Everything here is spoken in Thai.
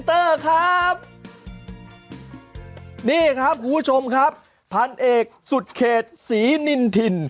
นี่ครับคุณผู้ชมครับพันเอกสุดเขตศรีนินทิน